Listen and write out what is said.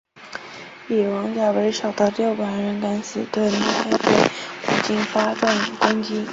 以王甲为首的六百人敢死队摸黑对古晋发动攻击。